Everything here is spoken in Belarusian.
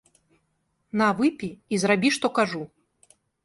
На выпі і зрабі, што кажу!